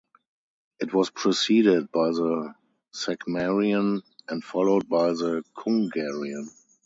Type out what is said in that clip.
It was preceded by the Sakmarian and followed by the Kungurian.